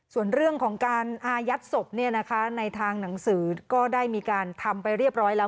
ส่วนเรื่องของการอายัดศพในทางหนังสือก็ได้มีการทำไปเรียบร้อยแล้ว